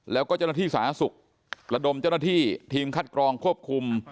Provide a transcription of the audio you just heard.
แล้วก็เจ้าหน้าที่สาธารณสุขระดมเจ้าหน้าที่ทีมคัดกรองควบคุม